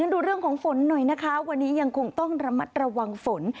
ดูเรื่องของฝนหน่อยนะคะวันนี้ยังคงต้องระมัดระวังฝน